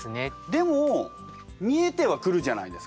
でも見えてはくるじゃないですか。